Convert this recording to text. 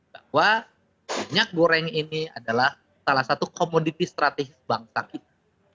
bahwa minyak goreng ini adalah salah satu komoditi strategis bangsa kita